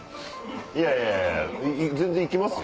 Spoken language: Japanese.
いやいや全然行きますよ